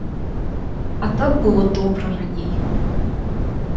А так было добра раней!